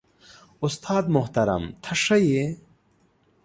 استاد محترم ته ښه يې؟